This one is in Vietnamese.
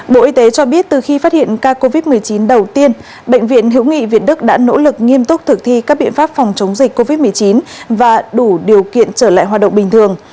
bộ y tế cho biết từ khi phát hiện ca covid một mươi chín đầu tiên bệnh viện hiễu nghị việt đức đã nỗ lực nghiêm túc thực thi các biện pháp phòng chống dịch covid một mươi chín và đủ điều kiện trở lại hoạt động bình thường